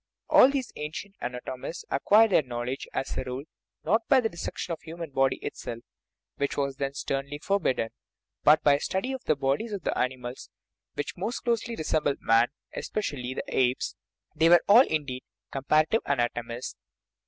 All these ancient anatomists ac quired their knowledge, as a rule, not by the dissection of the human body itself which was then sternly for bidden but by a study of the bodies of the animals which most closely resembled man, especially the apes ; they were all, indeed, comparative anatomists.